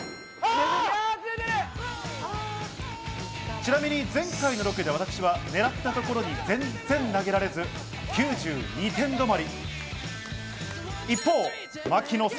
ちなみに、前回のロケで私は狙ったところに全然投げられず、９２点止まり。